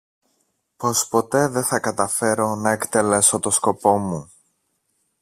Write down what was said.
Πως ποτέ δε θα καταφέρω να εκτελέσω το σκοπό μου